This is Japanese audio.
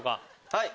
はい。